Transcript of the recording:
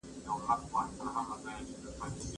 موږ باید خپل اتلان وپېژنو او د هغوی درناوی وکړو.